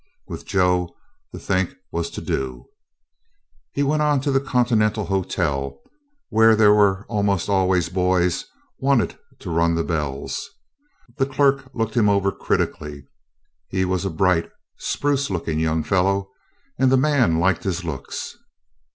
With Joe, to think was to do. He went on to the Continental Hotel, where there were almost always boys wanted to "run the bells." The clerk looked him over critically. He was a bright, spruce looking young fellow, and the man liked his looks.